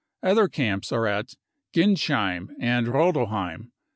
Other camps are at : Ginsheim and Rodelhein?